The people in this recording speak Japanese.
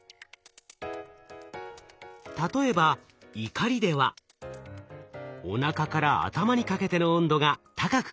例えば「怒り」ではおなかから頭にかけての温度が高く感じられています。